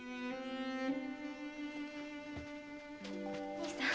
兄さん